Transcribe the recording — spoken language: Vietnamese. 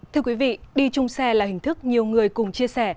thưa quý vị đi chung xe là hình thức nhiều người cùng chia sẻ